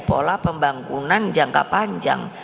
pola pembangunan jangka panjang